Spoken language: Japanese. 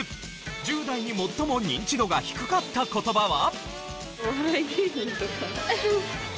１０代に最もニンチドが低かった言葉は？